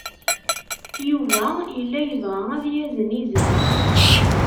Yuba yella yebɣa ad yazen izen.